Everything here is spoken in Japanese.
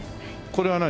これは何？